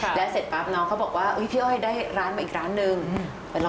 พอได้ร้านเห็นหน้ากล้าตาแล้ว